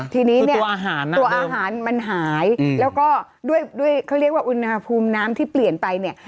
ทีนี้เนี่ยตัวอาหารมันหายแล้วก็ด้วยเขาเรียกว่าอุณหภูมิน้ำที่เปลี่ยนไปเนี่ย